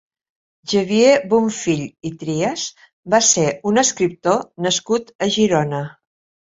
Xavier Bonfill i Trias va ser un escriptor nascut a Girona.